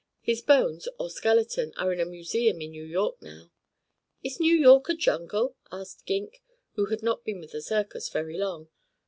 His bones, or skeleton, are in a museum in New York now." "Is New York a jungle?" asked Gink, who had not been with the circus very long.